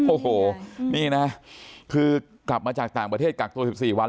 โอ้โหนี่นะคือกลับมาจากต่างประเทศกักตัว๑๔วัน